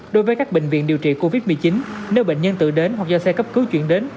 đối với các bệnh viện điều trị covid một mươi chín nếu bệnh nhân tự đến hoặc do xe cấp cứu chuyển đến